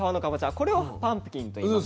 これをパンプキンと言います。